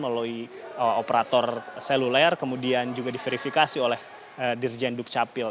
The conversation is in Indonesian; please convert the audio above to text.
melalui operator seluler kemudian juga diverifikasi oleh dirjen dukcapil